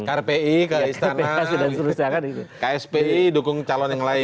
kpi kspi dukung calon yang lain